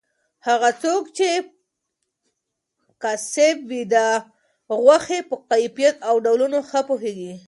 هغه څوک چې قصاب وي د غوښې په کیفیت او ډولونو ښه پوهیږي.